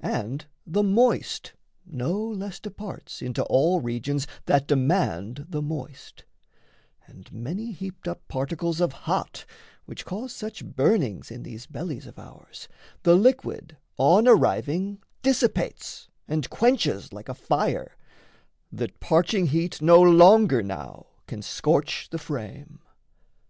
And the moist no less departs Into all regions that demand the moist; And many heaped up particles of hot, Which cause such burnings in these bellies of ours, The liquid on arriving dissipates And quenches like a fire, that parching heat No longer now can scorch the frame.